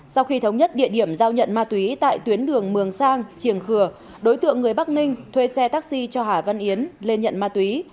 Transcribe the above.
sau khi thống nhất địa điểm giao nhận ma túy tại tuyến đường mường sang triềng khừa đối tượng người bắc ninh thuê xe taxi cho hà văn yến lên nhận ma túy